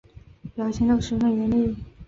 表情都十分严厉